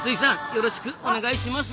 よろしくお願いします。